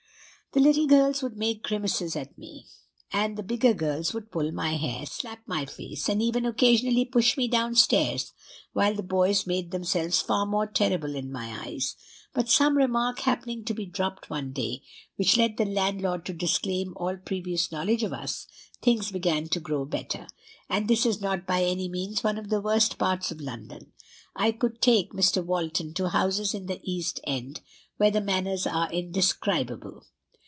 The little girls would make grimaces at me, and the bigger girls would pull my hair, slap my face, and even occasionally push me down stairs, while the boys made themselves far more terrible in my eyes. But some remark happening to be dropped one day, which led the landlord to disclaim all previous knowledge of us, things began to grow better. And this is not by any means one of the worst parts of London. I could take Mr. Walton to houses in the East End, where the manners are indescribable.